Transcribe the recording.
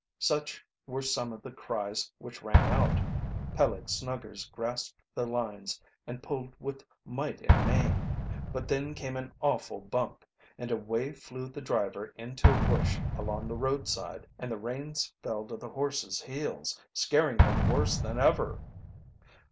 Such were some of the cries which rang out. Peleg Snuggers grasped the lines and pulled with might and main. But then came an awful bump, and away flew the driver into a bush along the roadside, and the reins fell to the horses heels, scaring them worse than ever.